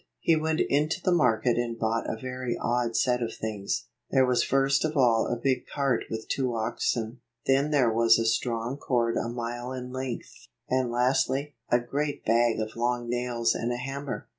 He went into the market and bought a very odd set of things. There was first of all a big cart with two oxen; then there was a strong cord a mile in length; and lastly, a great bag of long nails and a hammer.